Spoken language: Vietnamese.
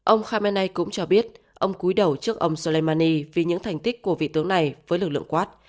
ông khamenei cũng cho biết ông cúi đầu trước ông soleimani vì những thành tích của vị tướng này với lực lượng quát